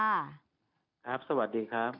ครับสวัสดีครับ